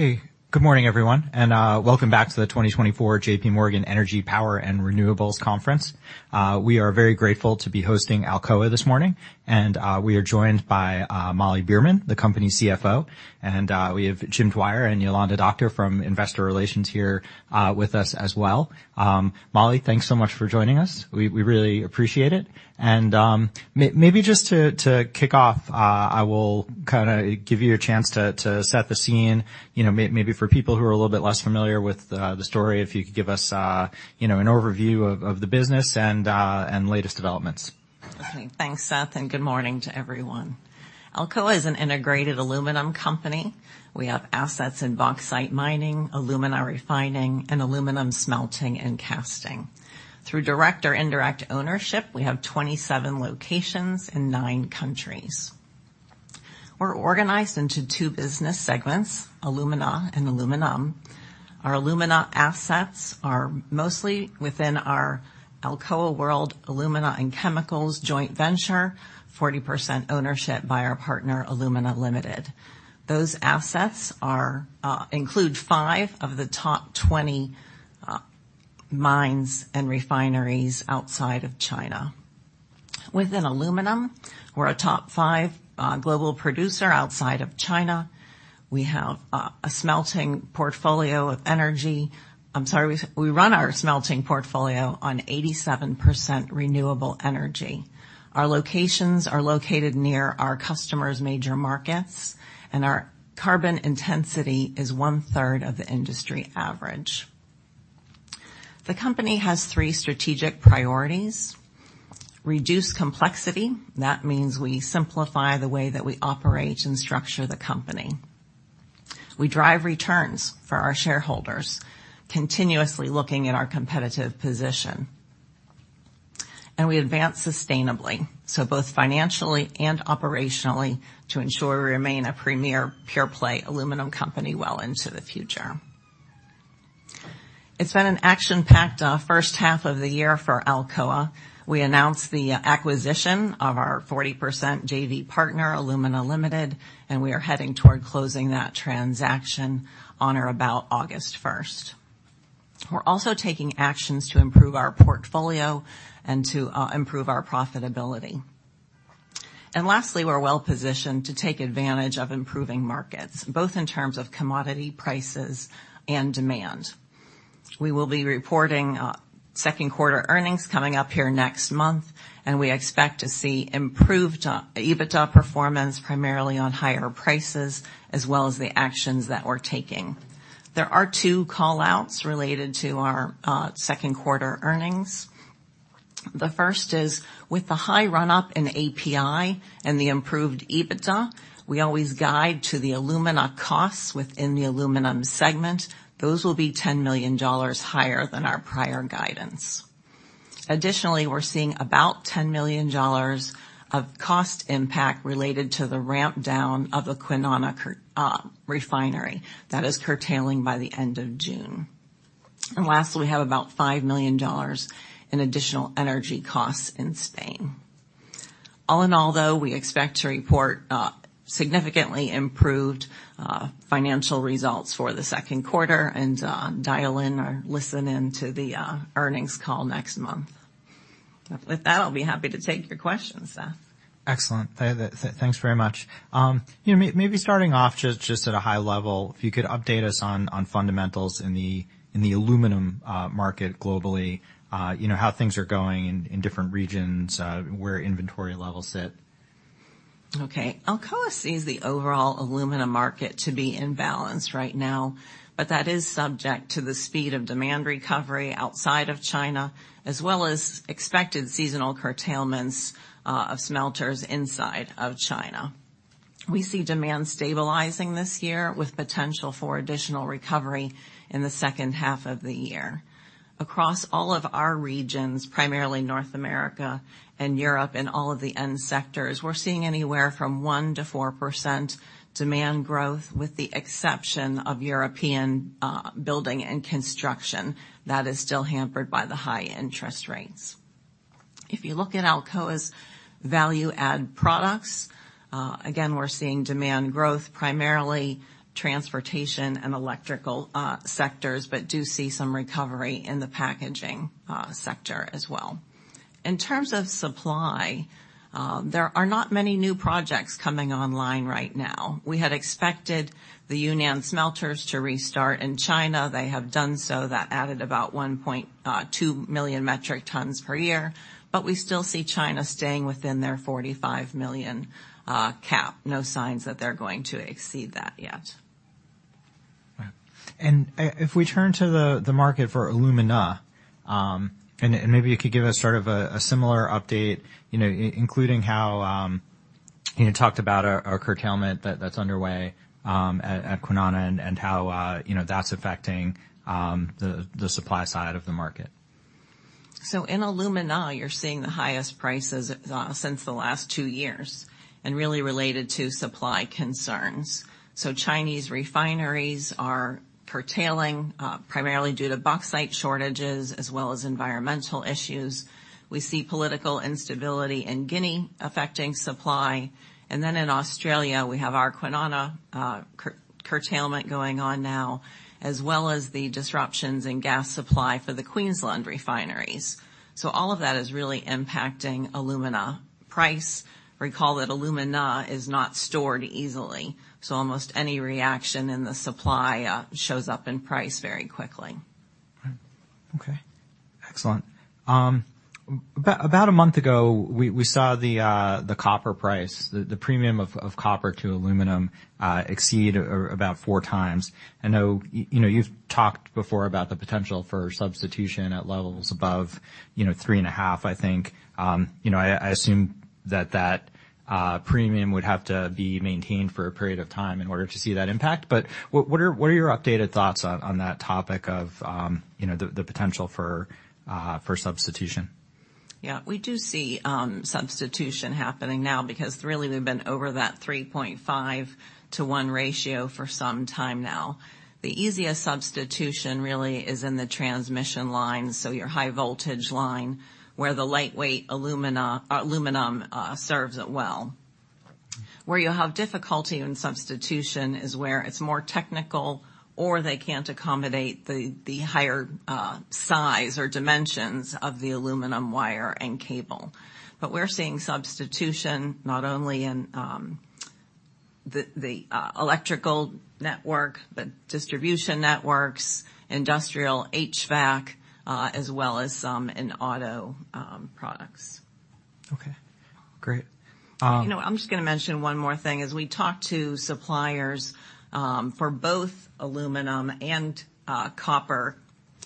Hey, good morning, everyone, and welcome back to the 2024 J.P. Morgan Energy, Power, and Renewables Conference. We are very grateful to be hosting Alcoa this morning, and we are joined by Molly Beerman, the company's CFO, and we have Jim Dwyer and Yolanda Doctor from Investor Relations here with us as well. Molly, thanks so much for joining us. We really appreciate it. Maybe just to kick off, I will kinda give you a chance to set the scene, you know, maybe for people who are a little bit less familiar with the story, if you could give us, you know, an overview of the business and latest developments. Okay. Thanks, Seth, and good morning to everyone. Alcoa is an integrated aluminum company. We have assets in bauxite mining, alumina refining, and aluminum smelting and casting. Through direct or indirect ownership, we have 27 locations in 9 countries. We're organized into two business segments: alumina and aluminum. Our alumina assets are mostly within our Alcoa World Alumina and Chemicals joint venture, 40% ownership by our partner, Alumina Limited. Those assets include 5 of the top 20 mines and refineries outside of China. Within aluminum, we're a top 5 global producer outside of China. We have a smelting portfolio. I'm sorry, we run our smelting portfolio on 87% renewable energy. Our locations are located near our customers' major markets, and our carbon intensity is one-third of the industry average. The company has three strategic priorities: reduce complexity, that means we simplify the way that we operate and structure the company. We drive returns for our shareholders, continuously looking at our competitive position, and we advance sustainably, so both financially and operationally, to ensure we remain a premier pure-play aluminum company well into the future. It's been an action-packed first half of the year for Alcoa. We announced the acquisition of our 40% JV partner, Alumina Limited, and we are heading toward closing that transaction on or about August first. We're also taking actions to improve our portfolio and to improve our profitability. And lastly, we're well-positioned to take advantage of improving markets, both in terms of commodity prices, and demand. We will be reporting second quarter earnings coming up here next month, and we expect to see improved EBITDA performance, primarily on higher prices, as well as the actions that we're taking. There are two call-outs related to our second quarter earnings. The first is, with the high run-up in API and the improved EBITDA, we always guide to the alumina costs within the aluminum segment. Those will be $10 million higher than our prior guidance. Additionally, we're seeing about $10 million of cost impact related to the ramp down of the Kwinana refinery. That is curtailing by the end of June. And lastly, we have about $5 million in additional energy costs in Spain. All in all, though, we expect to report significantly improved financial results for the second quarter and dial in or listen in to the earnings call next month. With that, I'll be happy to take your questions, Seth. Excellent. Thanks very much. You know, maybe starting off just at a high level, if you could update us on fundamentals in the aluminum market globally, you know, how things are going in different regions, where inventory levels sit. Okay. Alcoa sees the overall aluminum market to be in balance right now, but that is subject to the speed of demand recovery outside of China, as well as expected seasonal curtailments of smelters inside of China. We see demand stabilizing this year, with potential for additional recovery in the second half of the year. Across all of our regions, primarily North America and Europe, and all of the end sectors, we're seeing anywhere from 1%-4% demand growth, with the exception of European building and construction. That is still hampered by the high interest rates. If you look at Alcoa's value-add products, again, we're seeing demand growth, primarily transportation and electrical sectors, but do see some recovery in the packaging sector as well. In terms of supply, there are not many new projects coming online right now. We had expected the Yunnan smelters to restart in China. They have done so. That added about 1.2 million metric tons per year, but we still see China staying within their 45 million cap. No signs that they're going to exceed that yet. And if we turn to the market for alumina, and maybe you could give us sort of a similar update, you know, including how you had talked about a curtailment that's underway at Kwinana, and how you know that's affecting the supply side of the market. So in alumina, you're seeing the highest prices since the last two years, and really related to supply concerns. Chinese refineries are curtailing primarily due to bauxite shortages, as well as environmental issues. We see political instability in Guinea affecting supply. And then in Australia, we have our Kwinana curtailment going on now, as well as the disruptions in gas supply for the Queensland refineries. So all of that is really impacting alumina price. Recall that alumina is not stored easily, so almost any reaction in the supply shows up in price very quickly. Okay, excellent. About a month ago, we saw the copper price, the premium of copper to aluminum, exceed or about 4 times. I know, you know, you've talked before about the potential for substitution at levels above, you know, 3.5, I think. You know, I assume that that premium would have to be maintained for a period of time in order to see that impact. But what are your updated thoughts on that topic of, you know, the potential for substitution? Yeah, we do see substitution happening now, because really, we've been over that 3.5-to-1 ratio for some time now. The easiest substitution really is in the transmission line, so your high voltage line, where the lightweight aluminum serves it well. Where you'll have difficulty in substitution is where it's more technical, or they can't accommodate the higher size or dimensions of the aluminum wire and cable. But we're seeing substitution not only in the electrical network, the distribution networks, industrial HVAC, as well as some in auto products. Okay, great. You know, I'm just gonna mention one more thing: as we talk to suppliers, for both aluminum and, copper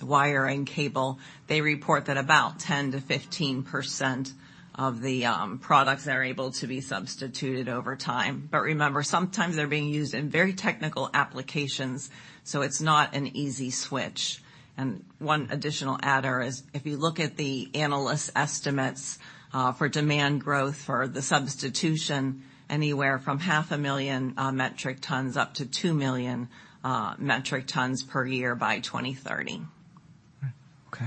wire and cable, they report that about 10%-15% of the, products are able to be substituted over time. But remember, sometimes they're being used in very technical applications, so it's not an easy switch. And one additional adder is, if you look at the analyst estimates, for demand growth for the substitution, anywhere from 500,000 metric tons up to 2 million metric tons per year by 2030. Okay.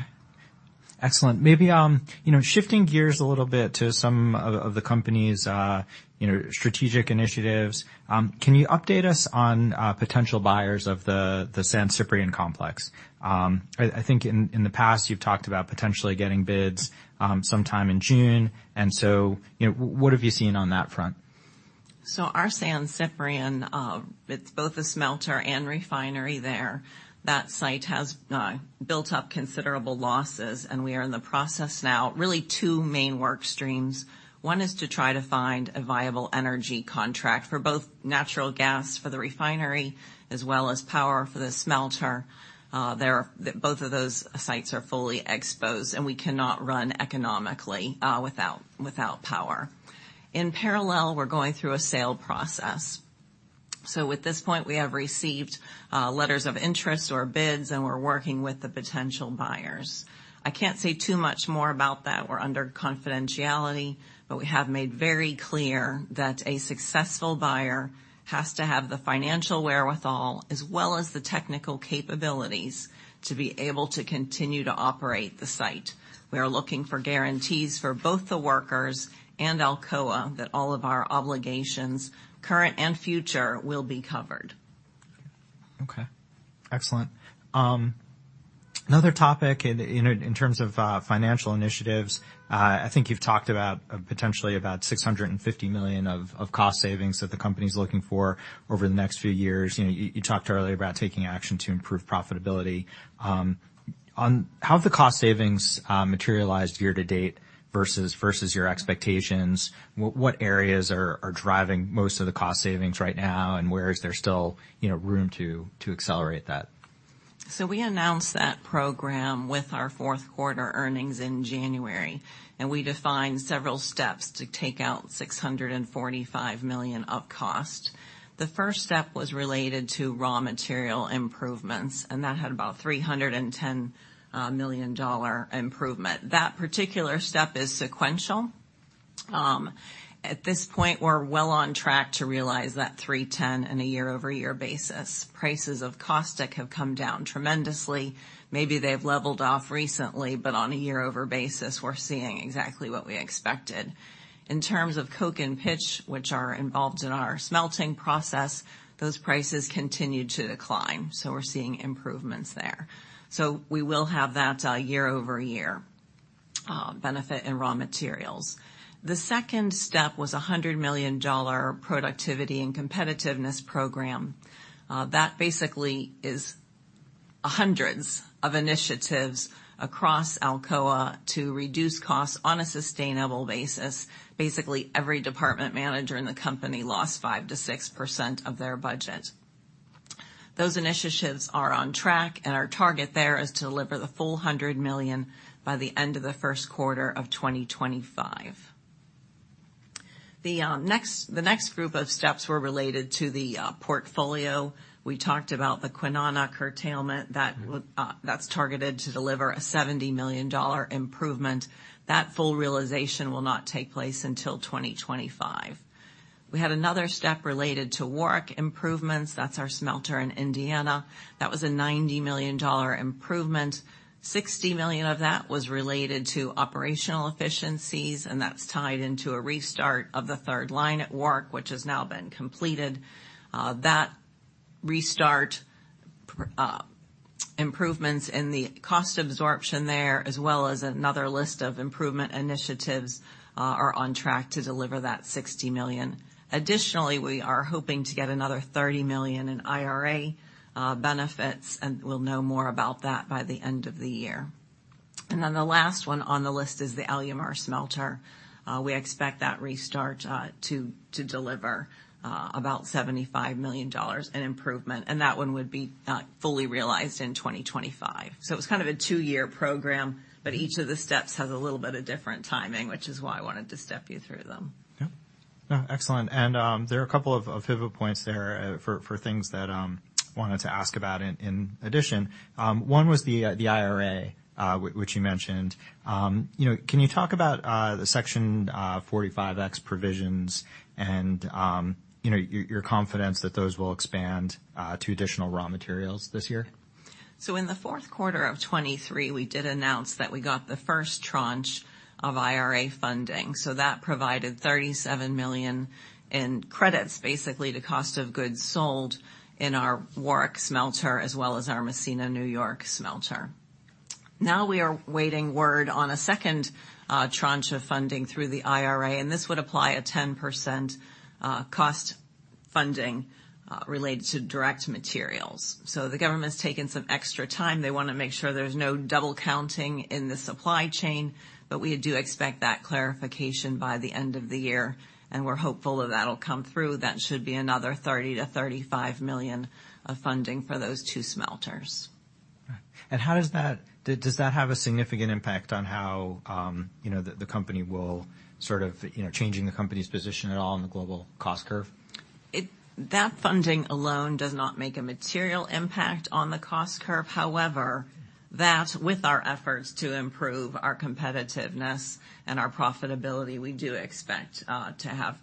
Excellent. Maybe you know, shifting gears a little bit to some of the company's you know, strategic initiatives. Can you update us on potential buyers of the San Ciprián complex? I think in the past, you've talked about potentially getting bids sometime in June, and so, you know, what have you seen on that front? So our San Ciprián, it's both a smelter and refinery there. That site has built up considerable losses, and we are in the process now, really two main work streams. One is to try to find a viable energy contract for both natural gas for the refinery, as well as power for the smelter. There, both of those sites are fully exposed, and we cannot run economically without power. In parallel, we're going through a sale process. So at this point, we have received letters of interest or bids, and we're working with the potential buyers. I can't say too much more about that. We're under confidentiality, but we have made very clear that a successful buyer has to have the financial wherewithal, as well as the technical capabilities, to be able to continue to operate the site. We are looking for guarantees for both the workers and Alcoa, that all of our obligations, current and future, will be covered. Okay, excellent. Another topic in, you know, in terms of financial initiatives, I think you've talked about, potentially, about $650 million of cost savings that the company's looking for over the next few years. You know, you talked earlier about taking action to improve profitability. On how have the cost savings materialized year to date versus your expectations? What areas are driving most of the cost savings right now, and where is there still, you know, room to accelerate that? So we announced that program with our fourth quarter earnings in January, and we defined several steps to take out $645 million of cost. The first step was related to raw material improvements, and that had about $310 million dollar improvement. That particular step is sequential. At this point, we're well on track to realize that 310 on a year-over-year basis. Prices of caustic have come down tremendously. Maybe they've leveled off recently, but on a year-over-year basis, we're seeing exactly what we expected. In terms of coke and pitch, which are involved in our smelting process, those prices continue to decline, so we're seeing improvements there. So we will have that year-over-year benefit in raw materials. The second step was a $100 million dollar productivity and competitiveness program. That basically is hundreds of initiatives across Alcoa to reduce costs on a sustainable basis. Basically, every department manager in the company lost 5%-6% of their budget. Those initiatives are on track, and our target there is to deliver the full $100 million by the end of Q1 2025. The next group of steps were related to the portfolio. We talked about the Kwinana curtailment. That's targeted to deliver a $70 million improvement. That full realization will not take place until 2025. We had another step related to Warrick improvements. That's our smelter in Indiana. That was a $90 million improvement. $60 million of that was related to operational efficiencies, and that's tied into a restart of the third line at Warrick, which has now been completed. That restart-... Improvements in the cost absorption there, as well as another list of improvement initiatives, are on track to deliver that $60 million. Additionally, we are hoping to get another $30 million in IRA benefits, and we'll know more about that by the end of the year. Then the last one on the list is the Alumar smelter. We expect that restart to deliver about $75 million in improvement, and that one would be fully realized in 2025. So it's kind of a two-year program, but each of the steps has a little bit of different timing, which is why I wanted to step you through them. Yeah. No, excellent, and there are a couple of pivot points there for things that wanted to ask about in addition. One was the IRA, which you mentioned. You know, can you talk about the Section 45X provisions and, you know, your confidence that those will expand to additional raw materials this year? So in the fourth quarter of 2023, we did announce that we got the first tranche of IRA funding, so that provided $37 million in credits, basically to cost of goods sold in our Warrick smelter, as well as our Massena, New York, smelter. Now we are waiting word on a second tranche of funding through the IRA, and this would apply a 10% cost funding related to direct materials. So the government's taken some extra time. They want to make sure there's no double counting in the supply chain, but we do expect that clarification by the end of the year, and we're hopeful that that'll come through. That should be another $30-$35 million of funding for those two smelters. Does that have a significant impact on how, you know, the company will sort of, you know, changing the company's position at all in the global cost curve? That funding alone does not make a material impact on the cost curve. However, that, with our efforts to improve our competitiveness and our profitability, we do expect to have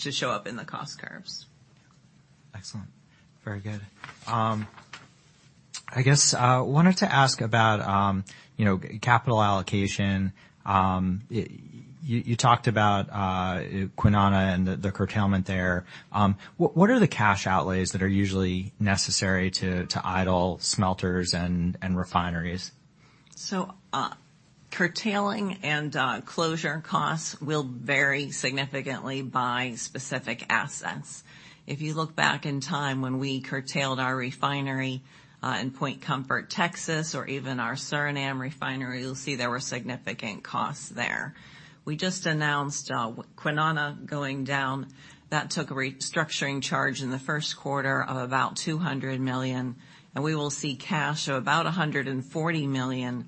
to show up in the cost curves. Excellent. Very good. I guess wanted to ask about, you know, capital allocation. You, you talked about Kwinana and the, the curtailment there. What, what are the cash outlays that are usually necessary to, to idle smelters and, and refineries? So, curtailing and closure costs will vary significantly by specific assets. If you look back in time when we curtailed our refinery in Point Comfort, Texas, or even our Suriname refinery, you'll see there were significant costs there. We just announced Kwinana going down. That took a restructuring charge in the first quarter of about $200 million, and we will see cash of about $140 million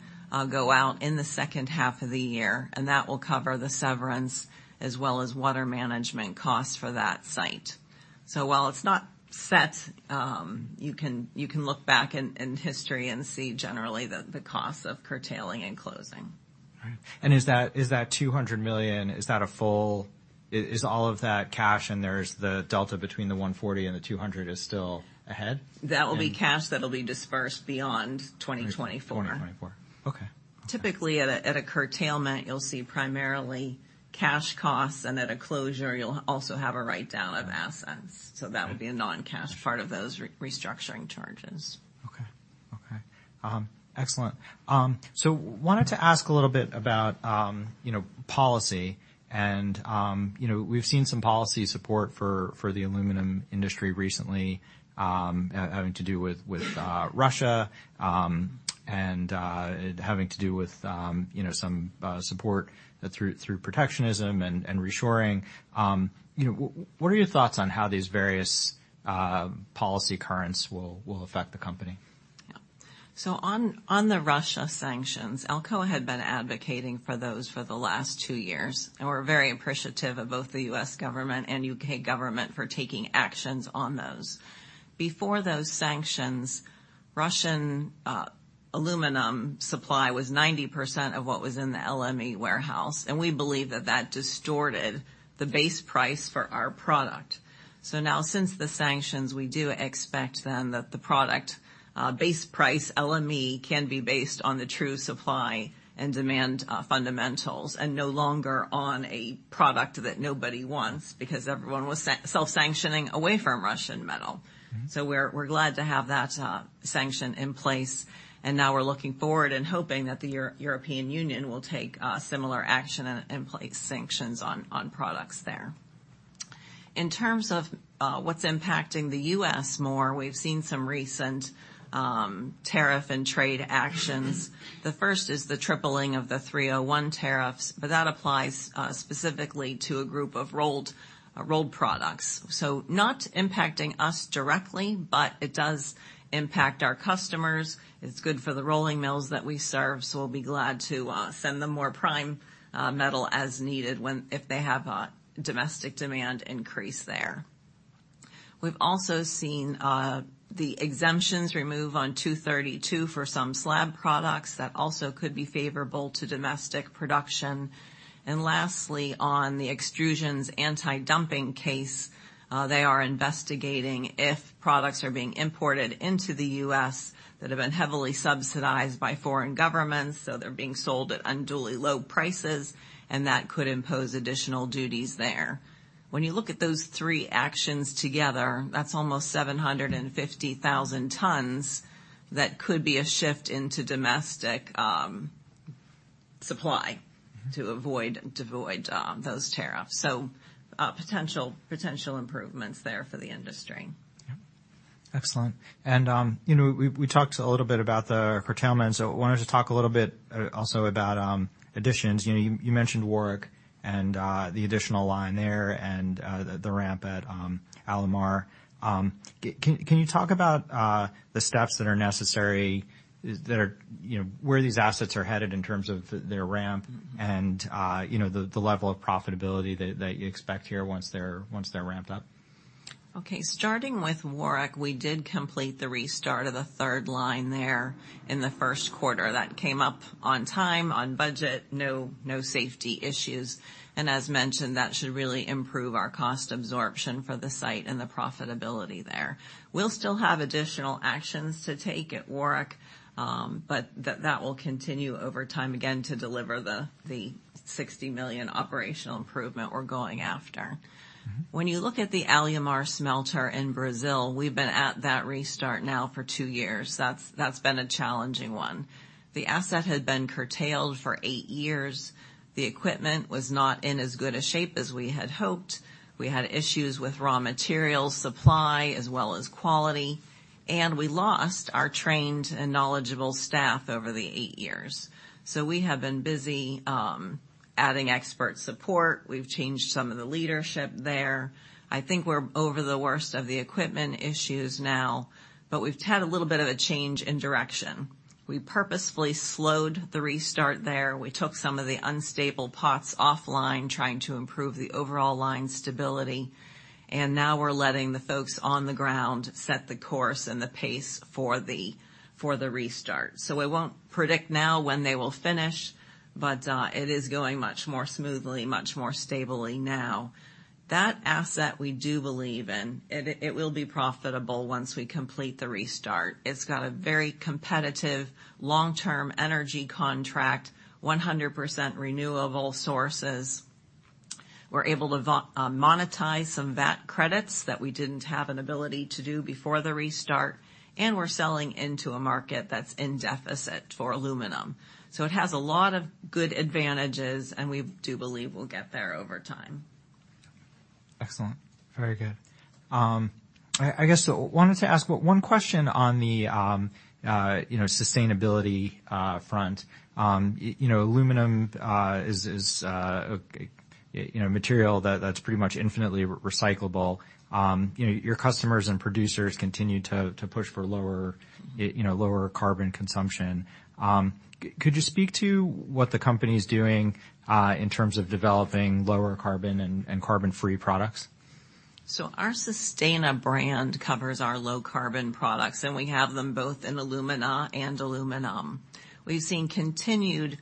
go out in the second half of the year, and that will cover the severance as well as water management costs for that site. So while it's not set, you can look back in history and see generally the costs of curtailing and closing. Right. And is that $200 million? Is that a full... Is all of that cash, and there's the delta between the $140 and the $200 million still ahead? That will be cash that'll be dispersed beyond 2024. 2024. Okay. Typically, at a curtailment, you'll see primarily cash costs, and at a closure, you'll also have a write-down of assets. Okay. So that would be a non-cash part of those restructuring charges. Okay. Okay. Excellent. So wanted to ask a little bit about, you know, policy and, you know, we've seen some policy support for the aluminum industry recently, having to do with Russia, and having to do with, you know, some support through protectionism and reshoring. You know, what are your thoughts on how these various policy currents will affect the company? So, on the Russia sanctions, Alcoa had been advocating for those for the last two years, and we're very appreciative of both the U.S. government and U.K. government for taking actions on those. Before those sanctions, Russian aluminum supply was 90% of what was in the LME warehouse, and we believe that that distorted the base price for our product. So now, since the sanctions, we do expect then that the product base price, LME, can be based on the true supply and demand fundamentals, and no longer on a product that nobody wants because everyone was self-sanctioning away from Russian metal. Mm-hmm. So we're glad to have that sanction in place, and now we're looking forward and hoping that the European Union will take a similar action and place sanctions on products there. In terms of what's impacting the U.S. more, we've seen some recent tariff and trade actions. The first is the tripling of the 301 tariffs, but that applies specifically to a group of rolled products. So not impacting us directly, but it does impact our customers. It's good for the rolling mills that we serve, so we'll be glad to send them more prime metal as needed if they have a domestic demand increase there. We've also seen the exemptions remove on 232 for some slab products. That also could be favorable to domestic production. Lastly, on the extrusions anti-dumping case, they are investigating if products are being imported into the U.S. that have been heavily subsidized by foreign governments, so they're being sold at unduly low prices, and that could impose additional duties there. When you look at those three actions together, that's almost 750,000 tons that could be a shift into domestic supply to avoid those tariffs. So, potential improvements there for the industry. Yep. Excellent. And, you know, we, we talked a little bit about the curtailment, so wanted to talk a little bit, also about, additions. You know, you, you mentioned Warrick and, the additional line there and, the, the ramp at, Alumar. Can, can you talk about, the steps that are necessary, that are, you know, where these assets are headed in terms of their ramp and, you know, the, the level of profitability that, that you expect here once they're, once they're ramped up? Okay, starting with Warrick, we did complete the restart of the third line there in the first quarter. That came up on time, on budget, no safety issues. And as mentioned, that should really improve our cost absorption for the site and the profitability there. We'll still have additional actions to take at Warrick, but that will continue over time, again, to deliver the $60 million operational improvement we're going after. Mm-hmm. When you look at the Alumar smelter in Brazil, we've been at that restart now for two years. That's been a challenging one. The asset had been curtailed for eight years. The equipment was not in as good a shape as we had hoped. We had issues with raw material supply as well as quality, and we lost our trained and knowledgeable staff over the eight years. So we have been busy adding expert support. We've changed some of the leadership there. I think we're over the worst of the equipment issues now, but we've had a little bit of a change in direction. We purposefully slowed the restart there. We took some of the unstable pots offline, trying to improve the overall line stability, and now we're letting the folks on the ground set the course and the pace for the restart. So I won't predict now when they will finish, but it is going much more smoothly, much more stably now. That asset we do believe in, and it, it will be profitable once we complete the restart. It's got a very competitive long-term energy contract, 100% renewable sources. We're able to monetize some VAT credits that we didn't have an ability to do before the restart, and we're selling into a market that's in deficit for aluminum. So it has a lot of good advantages, and we do believe we'll get there over time. Excellent. Very good. I guess, so wanted to ask one question on the, you know, sustainability front. You know, aluminum is a material that's pretty much infinitely recyclable. You know, your customers and producers continue to push for lower, you know, lower carbon consumption. Could you speak to what the company's doing in terms of developing lower carbon and carbon-free products? So our Sustana brand covers our low-carbon products, and we have them both in alumina and aluminum. We've seen continued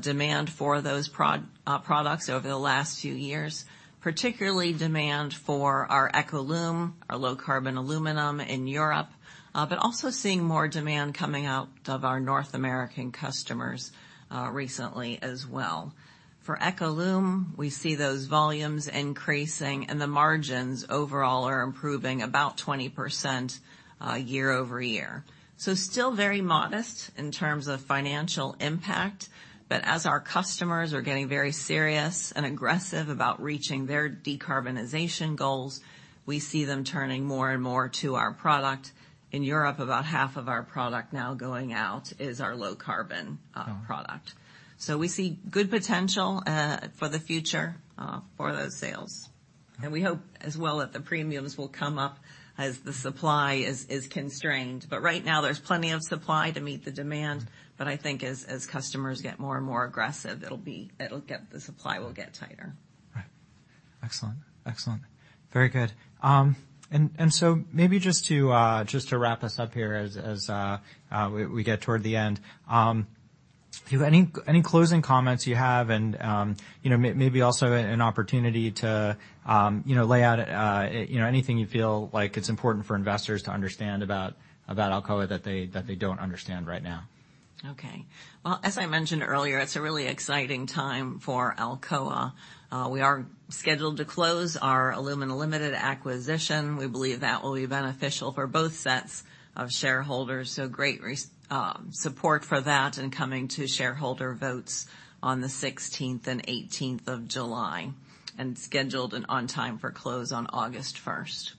demand for those products over the last few years, particularly demand for our EcoLum, our low-carbon aluminum in Europe, but also seeing more demand coming out of our North American customers recently as well. For EcoLum, we see those volumes increasing, and the margins overall are improving about 20%, year-over-year. So still very modest in terms of financial impact, but as our customers are getting very serious and aggressive about reaching their decarbonization goals, we see them turning more and more to our product. In Europe, about half of our product now going out is our low-carbon, uh- Yeah... product. So we see good potential for the future for those sales. And we hope as well that the premiums will come up as the supply is constrained. But right now, there's plenty of supply to meet the demand. But I think as customers get more and more aggressive, it'll get, the supply will get tighter. Right. Excellent, excellent. Very good. And so maybe just to wrap us up here as we get toward the end, if you have any closing comments you have and, you know, maybe also an opportunity to, you know, lay out, you know, anything you feel like it's important for investors to understand about Alcoa that they don't understand right now. Okay. Well, as I mentioned earlier, it's a really exciting time for Alcoa. We are scheduled to close our Alumina Limited acquisition. We believe that will be beneficial for both sets of shareholders, so great support for that and coming to shareholder votes on the sixteenth and eighteenth of July, and scheduled and on time for close on August first.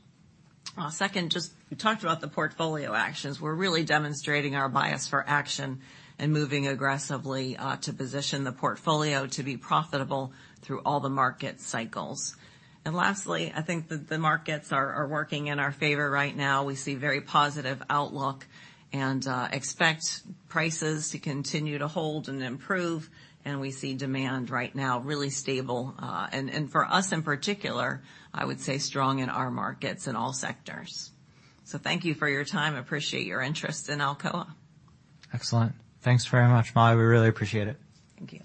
Second, just we talked about the portfolio actions. We're really demonstrating our bias for action and moving aggressively to position the portfolio to be profitable through all the market cycles. Lastly, I think that the markets are working in our favor right now. We see very positive outlook and expect prices to continue to hold and improve, and we see demand right now, really stable. And for us, in particular, I would say strong in our markets in all sectors. Thank you for your time. I appreciate your interest in Alcoa. Excellent. Thanks very much, Ma. We really appreciate it. Thank you.